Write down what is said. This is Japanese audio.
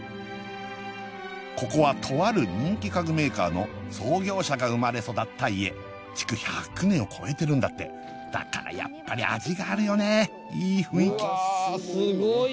ここはとある人気家具メーカーの創業者が生まれ育った家築１００年を超えてるんだってだからやっぱり味があるよねいい雰囲気うわ